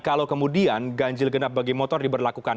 kalau kemudian ganjil genap bagi motor diberlakukan